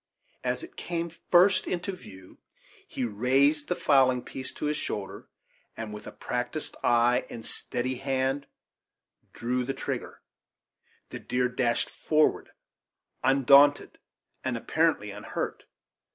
As it came first into view he raised the fowling piece to his shoulder and, with a practised eye and steady hand, drew a trigger. The deer dashed forward undaunted, and apparently unhurt.